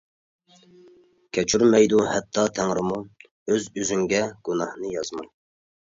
كەچۈرمەيدۇ ھەتتا تەڭرىمۇ، ئۆز-ئۆزۈڭگە گۇناھنى يازما.